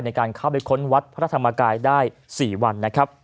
ในการเข้าไปค้นวัดพระธรรมกายได้๔วันนะครับ